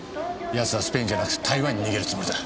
奴はスペインじゃなく台湾に逃げるつもりだ。